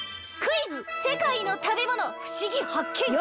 クイズ世界の食べ物ふしぎ発見！